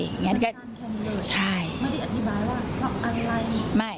อย่างนั้นก็ใช่ไม่ได้อธิบายว่าลองอัลไลน์